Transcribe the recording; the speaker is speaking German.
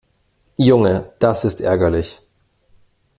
Junge, ist das ärgerlich!